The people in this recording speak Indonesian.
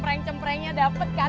cempreng cemprengnya dapet kan